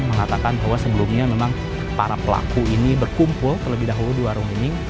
mengatakan bahwa sebelumnya memang para pelaku ini berkumpul terlebih dahulu di warung ini